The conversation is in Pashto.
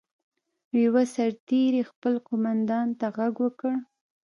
یوه سرتېري خپل قوماندان ته غږ وکړ.